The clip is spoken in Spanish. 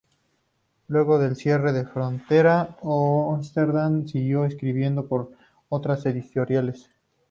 Luego del cierre de Frontera, Oesterheld siguió escribiendo para otras editoriales.